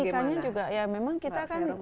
jadi nikahnya juga ya memang kita kan